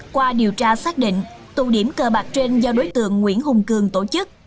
qua điều tra xác định tụ điểm cờ bạc trên do đối tượng nguyễn hùng cường tổ chức